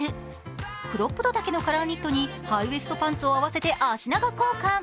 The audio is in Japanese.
クロップド丈のカラーニットにハイウエストパンツを合わせて足長効果。